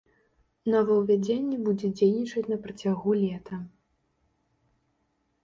Новаўвядзенне будзе дзейнічаць на працягу лета.